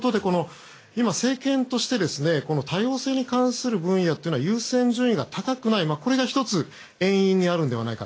今、政権として多様性に関する分野というのは優先順位が高くない、これが１つ遠因にあるのではないか。